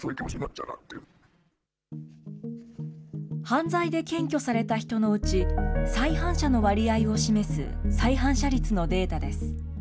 犯罪で検挙された人のうち、再犯者の割合を示す再犯者率のデータです。